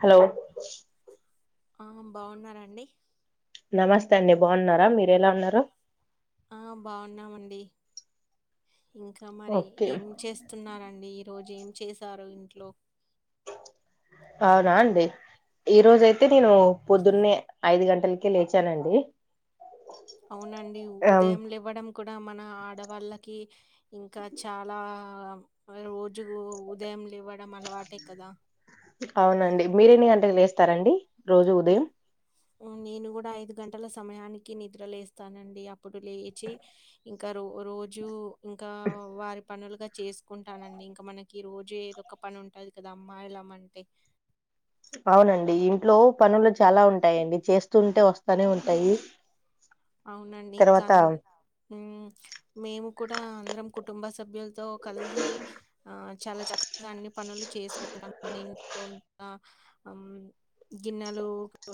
Hello ఆ బాగున్నారండి నమస్తే అండి బాగున్నారా మీరు ఎలా ఉన్నారు ఆ బాగున్నామండి ఇంకా మరి ఓకే ఏం చేస్తున్నారండి ఈరోజు ఏం చేశారు ఇంట్లో అవునా అండి ఈ రోజైతే నేను పొద్దున్నే ఐదు గంటలకే లేచానండి అవునండి ఆ ఉదయంలేవ్వడం కూడా మన ఆడవాళ్ళకి ఇంకా చాలా రోజు ఉద యం లేవ్వడం అలవాటే కదా అవునండి మీరేన్ని గంటకి లేస్తారండి రోజు ని ఉదయం నేను కూడా ఐదు గంటల సమయానికి నిద్ర లేస్తానండి అప్పుడు లేచి ఇంకా రో రోజు ఇంకా వారి పనులుగా చేసుకుంటానండి ఇంకా మనకి రోజు ఏదొ ఒక పని ఉంటా ది కదా అమ్మాయిలమంటే అవునండి ఇంట్లో పనులు చాలా ఉంటాయండి చేస్తుూంటే వస్తానే ఉంటాయి అవునండి ఇంకా తర్వాత మేము కూడా అందరం కుటుంబ సభ్యుల్ ల్తో కలిసి ఆ చాలా చక్కగా అన్ని పనులు చేసుకుంటాం మ ఇంట్లో ఇంకా ఆ గిన్నెలు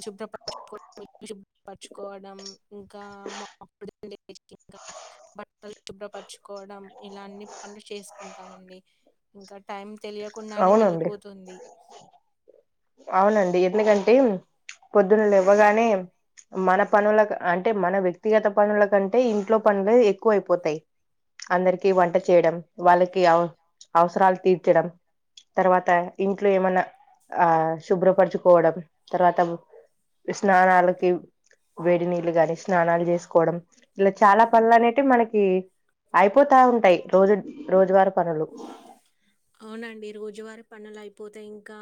శుభ్రపరచకోని శుభ్రపరచుకోవడం ఇంకా మా [unintelligible] ఇంకా బట్టలు శుభ్రపరచుకోవడం ఇలా అన్ని పనులు చేసుకుంటామండి ఇంకా టైం తెలియకుండానే అవునండి వెళ్ళిపోతుంది అవునండి ఎందుకంటే పొద్దున్న లేవ్వగానే మన పనుల అంటే మన వ్యక్తిగత పనుల కంటే ఇంట్లో ప లే పనులు ఎక్కువ అయిపోతాయి అందరికి వంట చేయడం వాళ్ళకి అ అవసరాలు తీర్చడం తర్వాత ఇంట్లో ఏమన్నా ఆ శుభ్రపరచుకోవడం తర్వాత స్నానాలకి వేడి నీళ్ళు గాని స్నానాలు చేసుకోవడం ఇలా చాలా పనులు అనేటివి మనకి అయిపోతా ఉంటాయి రోజు రోజు వర్ అవునండి రోజువార్ పనులు అయిపోతాయి ఇంకా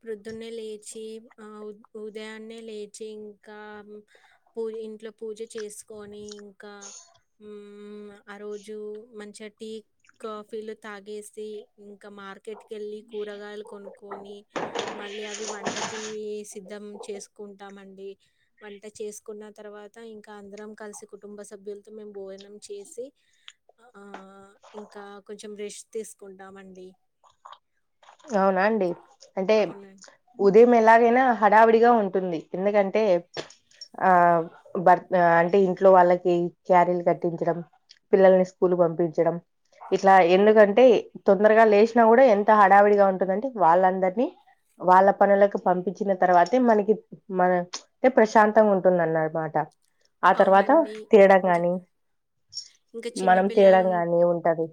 ప్రోద్దున్నే లేచి ఆ ఉదయాన్నే లేచి ఇంకా పూ ఇంట్లో పూజ చేసుకొని ఇంకా హుమ్ ఆ రోజు మంచిగా టీ కాఫీల్ తాగేసి ఇంకా మార్ ట్కెళ్ళి కూరగాయలు కొనుక్కొని మళ్ళీ అవి వంటకి సిద్ధం చేసుకుంటామండి వంట చేసుకున్న తర్వాత ఇంకా అందరం కలిసి కుటుంబ సభ్యులతో మీమ్ భోజనం చేసి ఆ ఇంకా కొ చెం రెస్ట్ తీసుకుంటామండి అవునా అండి అంటే అవునండి. ఊ ఉదయం ఎలాగైనా హడావుడిగా ఉంటుంది ఎందుకంటే ఆ భర్త అంటే ఇంట్లో వాళ్ళకి క్యారీలు కట్టించడం పిల్లల్ని స్కూల్ పంపించడం ఇట్లా ఎందుకంటే తొందరగా లేసినా కూడా ఎంత హ హడావిడిగా ఉంటుందంటే వాళ్ళందరినీ వాళ్ళ పనులకు పంపించిన తర్వాతే మనకి మన ప్రశాంతంగా ఉంటుందన్నమాట ఆ తర్వాత అవునండి. తినడం ఇంక గాని ఇంకా మనం చిన్నపిల్లలు తినడం గాని ఉంటది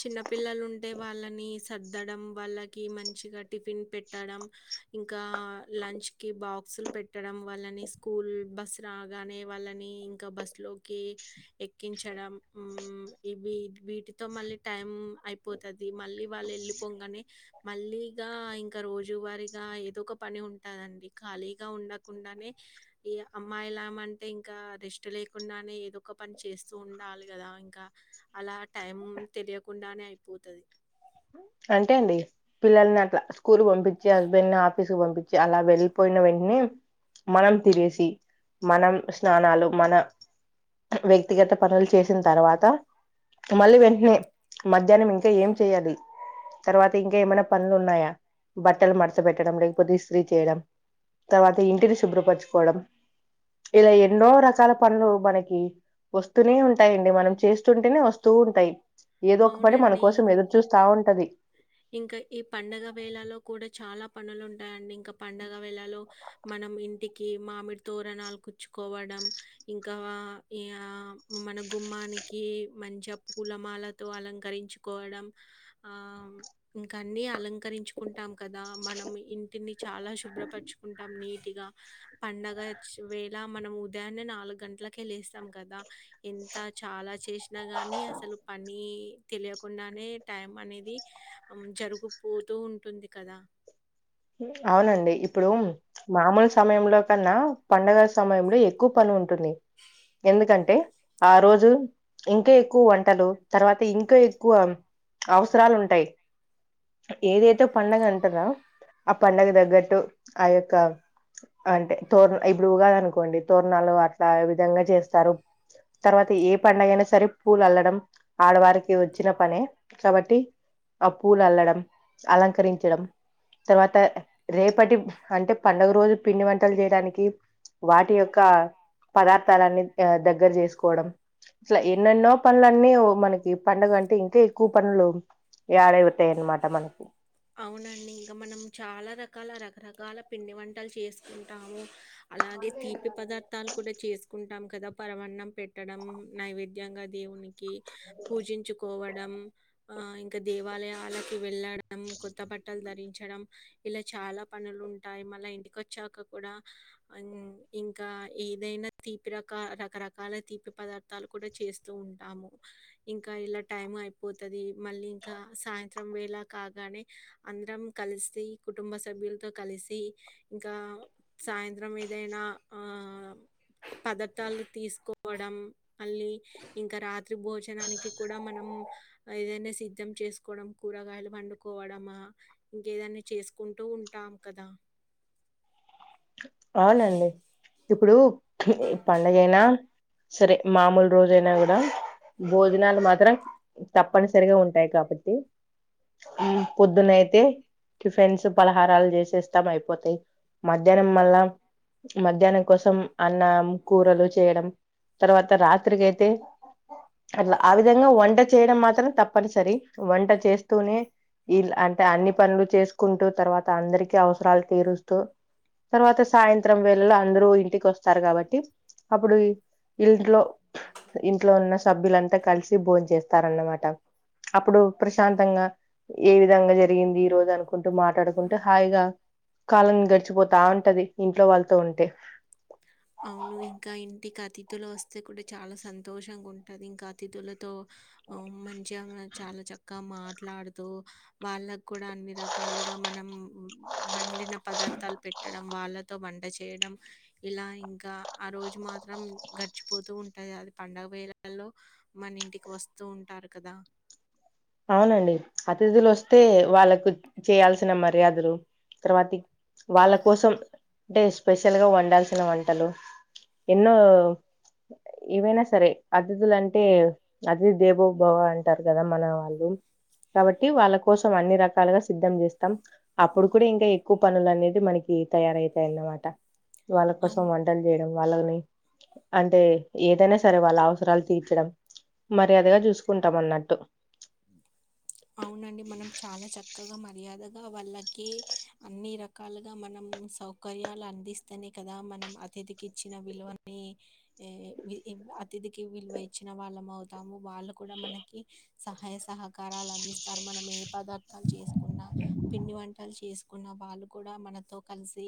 చిన్నపిల్లలు ఉంటే వాళ్ళని సర్దడం వాళ్ళకి మంచిగా టిఫిన్ పెట్టడం ఇంకా లంచ్ కి బా స్సులు పెట్టడం వాళ్ళని స్కూల్ బస్ రాగానే వాళ్ళని ఇంకా బస్సు లోకి ఎక్కించడం ఉమ్ వీటితో మ ళ్ళీ టైం అయిపోతది మళ్ళీ వాళ్ళు యెళ్ళిపోగానే మళ్ళీ ఇగా ఇంకా రోజు వారి ఇగా ఏదో ఒక పని ఉంటాదండి ఖాళీగా ఉండకుండానే ఈ అమ్మాయిలామంటే అంటే ఇంకా రెస్ట్ లేకుండానే ఏదో ఒక పని చేస్తూ ఉండాలి గదా ఇంకా అలా టైం తెలియకుండానే అయిపోతది. అంటే ఏంది పిల్లల్ని అట్లా స్కూల్ పంపించేయాలా హస్బెండ్ ని ఆఫీస్ క పంపించేయాలా అలా వెళ్ళిపోయిన వెంటనే మనం తిరేసి మనం స్నానాలు మన వ్యక్తిగత పనులు చేసిన తర్వాత మళ్ళీ వెంటనే మధ్యాహ్నం ఇంకా ఏం చేయ్యాలి తర్వాత ఇంకా ఏమైనా పనులు ఉన్నాయా బట్టలు మర్త పెట్టడం లేకపోతే ఇస్త్రీ చేయడం తర్వాత ఇంటిని శుభ్రపరచుకోవడం ఇలా ఎన్నో రకాల పనులు మనకి వస్తూనే ఉంటాయండి మనం చేస్తుంటేనే వస్తూ ఉంటాయి. ఏదో ఒక పని మన అవునండి. కోసం ఇం- ఎదురు చూస్త ఉంటది. ఇంకా ఈ పండగ వేళలో కూడా చాలా పనులు ఉంటాయండి ఇంకా పండగ వేళలో మన మనం ఇంటికి మామిడి తోరణాలు కుచ్చుకోవడం ఇంకా మనం గుమ్మానికి మంచి పూలమాలతో అలంకరించుకోవడం ఆ ఇంకా అన్ని అలంకరించుకుంటాం కదా మనం ఇంటిని చాలా శుభ్రపరచుకుంటాం నీట్ కొద్దిగా పండగ వేళ మనం ఉదయాన్నే నాలుగు గంటలకే లేస్తాం కదా ఎ ఎంత చాలా చేసినా గానీ అసలు పని తెలియకుండానే టైం అనేది జరుగుపోతూ ఉంటుంది కదా అవునండి ఇప్పుడు మామూలు సమయంలో కన్నా పండగల సమయంలో ఎక్కువ పని ఉ ఉంటుంది ఎందుకంటే ఆ రోజు ఇంకా ఎక్కువ వంటలు తర్వాత ఇంకా ఎక్కువ అవసరాలు ఉంటాయి ఏదైతే పండగ అంటారా ఆ పండగ దగ్గట్టు ఆ యొక్క అంతే తోరణ ఇప్పుడు ఉగాది అనుకోండి తోరణాలు అట్లా ఏ విధంగా చేస్తారు తర్వాత ఏ పండగయినా సరే పూలు అల్లడం ఆడవారికి వచ్చిన పనే కాబట్టి ఆ పూలు అల్లడం అలంకరించడం, తర్వాత రేపటి అంటే పండుగ రోజు పిండి వంటలు చేయడానికి వాటి యొక్క పదార్థాలన్నీ ఆ దగ్గర జేసుకోవడం ఇట్లా ఎన్నెన్నో పనులన్నీ మనకి పండుగ అంటే ఇంకా ఎక్కువ పనులు యాడై పోతాయి అన్నమాట మనకు అవునండి ఇంకా చాలా రకాల రకరకాల పిండి వంటలు చేసుకుంటాము అలాగే తీ పి పదార్థాలు కూడా చేసుకుంటాం కదా పరమాన్నం పెట్టడం నైవేద్యంగా దేవుని కి పూజించుకోవ డం ఇంకా దేవాలయాలకి వెళ్ళడం కొత్త బట్టలు ధరించడం ఇలా చాలా పనులు ఉంటాయి మళ్ళ ఇంటికి వచ్చాక కూడా ఇంకా ఏదైనా తీపి రక రకరకాల తీపి పదార్థాలు కూడా చేస్తూ ఉంటాము ఇంకా ఇలా టైం అయిపోతది మళ్ళీ ఇంకా సాయంత్రం వేళ కాగానే అందర కలిసి కుటుంబ సభ్యులతో కలిసి ఇంకా సాయంత్రం ఏదైనా ఆ, పదార్థాలు తీసుకోవడం మళ్ళీ ఇంకా రాత్రి భోజనానికి కూడా మనం ఏదైనా సిద్ధం చేసుకోవడం కూరగాయలు వండుకోవడమా ఇంకేదైనా చేసుకో కుంటూ ఉంటాం కదా అవునండి ఇప్పుడు పండగైనా సరే మామూలు రోజయినా కూడా భోజనాలు మాత్రం తప్పనిసరిగా ఉంటాయి కాబట్టి పొద్దునయితే టిఫెన్స్ పలహారాలు చేసేస్తాం అయిపోతాయి మధ్య మళ్ళ మధ్యాహ్నం కోసం అన్నం కూరలు చేయడం తర్వాత రాత్రికి అయితే అట్లా ఆ విధంగా వంట చేయడం మాత్రం తప్పనిసరి వంట చేస్తూనే అ అంటే అన్ని పనులు చేసుకుంటూ తర్వాత అందరికీ అవసరాలు తీరుస్తూ తర్వాత సాయంత్రం వేళలో అందరూ ఇంటికి వస్తారు కాబట్టి అప్పుడు ఇంట్లో ఇంట్లో ఉన్న సభ్యులంతా కలిసి బోన్ చేస్తారన్నమాట అప్పుడు ప్రశాంతంగా ఏ విధంగా జరిగింది ఈ రోజు అనుకుంటూ మాట్లాడుకుంటూ హాయిగా కాలాం గడిచిపోతా ఉంటది ఇంట్లో వాళ్ళతో ఉంటే అవును ఇంకా ఇంటికి అతిథులు వస్తే కూడా చాలా సంతోషంగా ఉంటది ఇంకా అతిథులతో ఆ మంచిమే చాలా చక్కగా మాట్లాడుతూ వాళ్ళకు కూడా అన్ని రకాలుగా మనం వ వండిన పదార్థాలు పెట్టడం వాళ్ళతో వంట చేయడం ఇలా ఇంకా ఆ రోజు మాత్రం గడిచిపోతూ ఉంటది అది పండగ వేలాల్లో మన ఇంటికి వస్త వస్తూ ఉంటారు కదా అవునండి అతిథులు వస్తే వాళ్ళలకు చేయాల్సిన మర్యాదలు తర్వాతి వాళ్ళ కోసం అంటే స్పెషల్ గా వండాల్సిన వంటలు ఎన్నో ఏవైనా సరే అతిథుల అంటే అతిథ దేవోభావ అంటారు కదా మన వాళ్ళు లో కాబట్టి వాళ్ళ కోసం అన్ని రకాలుగా సిద్ధం చేస్తాం అప్పుడు కూడా ఇంకా ఎక్కువ పనులు అనేది మనకి తయారవుతాయిన్నమాట వాళ్ళ కోసం అవును. వంటలు చేయడం వాళ్ళని అంటే ఏదైనా సరే వాళ్ళ అవసరాలు తీర్చడం మర్యాదగా చూసుకుంటాం అన్నట్టు అవునండి. మనం చాలా చక్కగా మర్యాదగా వాళ్ళకి అన్ని రకాలుగా మనం సౌకర్యాలు అందిస్తేనే కదా మనం అతిథికి ఇచ్చిన విలువనీ అతిథికి విలువ ఇచ్చిన వాళ్ళ అవుతాము వాళ్ళు కూడా మనకి సహాయ సహకారాలు స్తారు మనం ఏ పదార్థాలు చేసుకున్నా పిండి వంటలు చేసుకున్నా వాళ్ళు కూడా మనతో కలిసి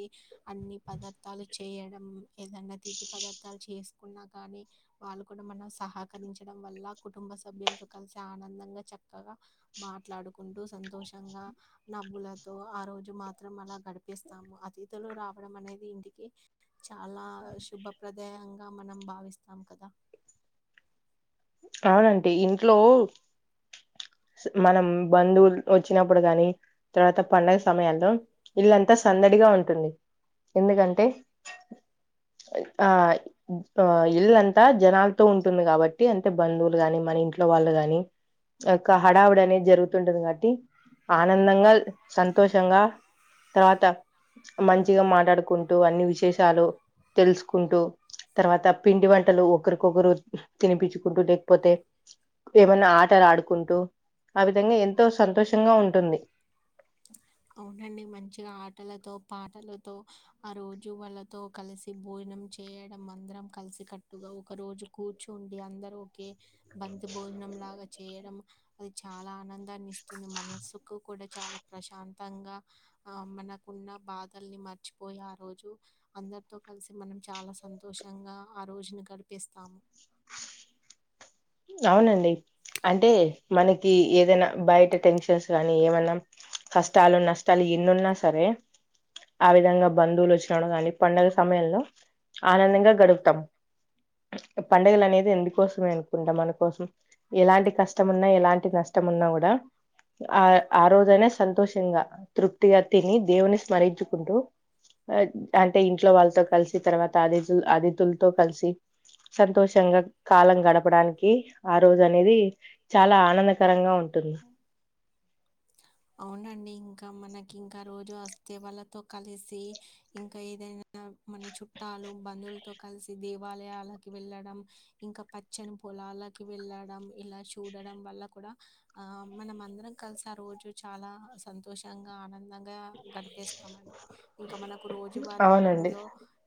అన్ని పదార్థాలు చేయడం ఏదన్నా తీపి పదార్థాలు చేసుకున్నా గానీ వాళ్ళు కూడా మనం సహకరించడం వల్ల కుటుంబ సభ్యులతో కలిసి ఆనందంగా చక్కగా మాట్లాడుకుంటూ సంతోషంగా నవ్వులతో ఆ రోజు మాత్రం అలా గడిపిస్తాము తిధులు రావడం అనేది ఇంటికి చాలా శుభప్రదాయంగా మనం భావిస్తాం కదా అవునండి ఇంట్లో మనం బంధువులు వచ్చినప్పుడు గాని తర్వాత పండగ సమయాల్లో ఇళ్లంతా సందడి ఉంటుంది ఎందుకంటే ఆ ఇల్లంతా జనాలతో ఉంటుంది కాబట్టి అ బంధువులు గాని మన ఇంట్లో వాళ్ళు గాని యొక్క హడావుడి అనేది జరుగుతుంటది కాబట్టి ఆనందంగా సంతోషంగా తర్వాత మంచిగా మాట్లాడుకుంటూ అన్ని విశేషాలు తెలుసుకుంటూ తర్వాత పిండి వంటలు ఒకరికొకరు తినిపించు కుంటూ లేకపోతే ఏమన్న ఆటలు ఆడుకుంటూ ఆ విధంగా ఎంతో సంతోషంగా ఉంటుంది అవునండి మంచిగా ఆటలతో పాటలతో ఆ రోజు వాళ్లతో కలిసి భోం నం చేయడం అందరం కలిసి కట్టుగా ఒక రోజు కూర్చుండి అందరు ఒకే బంతి భోజనం లాగా చేయడం అది చాలా ఆనందాన్ని ఇస్తుంది మనస్సుకు కూడా చాలా ప్రశాంత తంగా ఆ మనకున్న బాధల్ని మర్చిపోయి ఆ రోజు అందరితో కలిసి మనం చాలా సంతోషంగా ఆ రోజును గడిపేస్తాము అవునండి అంటే మనకి ఏదైనా బయట టెన్షన్స్ కానీ ఏమన్న కష్టాలు నష్టాలు ఎన్నున్నా సరే ఆ విధంగా బంధువులు వచ్చిన కానీ పండుగ సమయంలో ఆనందంగా గడుపుతాం పండగలు అనేది ఇందుకోసమే కుండా మనకోసం ఎలాంటి కష్టం ఉన్నా ఎలాంటి నష్టం ఉన్నా కూడా ఆ రోజైన సంతోషంగా తృప్తిగా తిని దేవున్ని స్మరించుకుంటూ అంటే ఇంట్లో వాళ్ళతో కలిసి తర్వాత అదిథూ అతిథులతో కలిసి సంతోషంగా కాలం గడ డపడానికి ఆ రోజు అనేది చాలా ఆనందకరంగా ఉంటుంది అవునండి ఇంకా మనకి ఇంకా రోజు వస్తే వాళ్ళతో కలిసి ఇంకా ఏదైనా మన చుట్టాలు బంధువులతో కలిసి దేవాలయాలకి వెళ్ళడం ఇంకా పచ్చని పొలాలకి వెళ్ళడం ఇలా చూడడం వల్ల కూడా ఆ మనం అందరం కలిసి ఆ రోజు చాలా సంతోషంగా ఆనంద దంగా గడిపేస్తామండి ఇంకా మనకు రోజువారి అవునండి పనుల్లో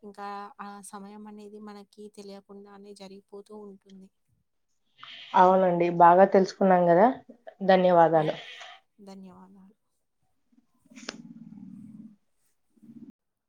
ఇంకా ఆ సమయం అనేది మనకి తెలియకుండానే జరిగిపోతూ ఉంటుంది అవునండి బాగా తెలుసుకున్నాం కదా ధన్యవాదాలు అవును. ధన్యవాదాలు.